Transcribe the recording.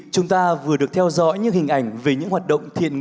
chúng ta vừa được theo dõi những hình ảnh